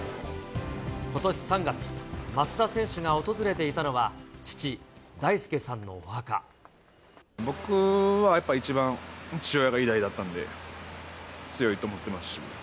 ことし３月、松田選手が訪れていたのは、父、僕は、やっぱ一番父親が偉大だったんで、強いと思ってますし。